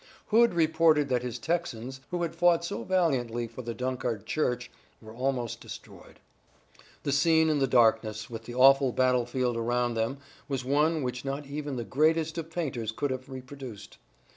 Hood reported that his Texans, who had fought so valiantly for the Dunkard church, were almost destroyed. The scene in the darkness with the awful battlefield around them was one which not even the greatest of painters could have reproduced.